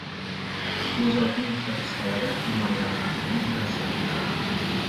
U Zotning farishtalari amallarimni yozyapti.